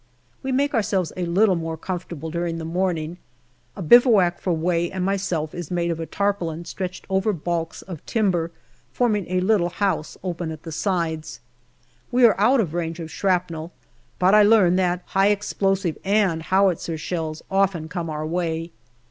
We make ourselves a little more comfortable during the morning ; a bivouac for Way and myself is made of a tar paulin stretched over balks of timber, forming a little house open at the sides. We are out of range of shrapnel, but I learn that high explosive and howitzer shells often come our way.